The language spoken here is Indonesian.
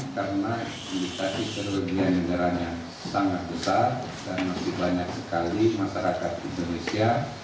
karena ini tadi terlebihan jalan yang sangat besar dan masih banyak sekali masyarakat indonesia